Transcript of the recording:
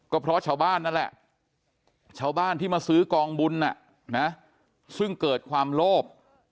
ก็เพราะชาวบ้านนั่นแหละชาวบ้านที่มาซื้อกองบุญซึ่งเกิดความโลภ